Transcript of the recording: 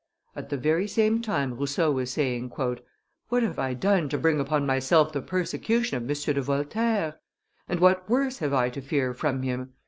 At the very same time Rousseau was saying, "What have I done to bring upon myself the persecution of M. de Voltaire? And what worse have I to fear from him?